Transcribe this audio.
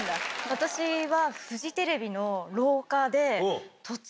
私は。